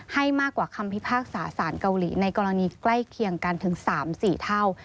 ให้มากกว่าคำพิพากษาสารเกาหลีในกรณีใกล้เคียงกันถึง๓๔เท่า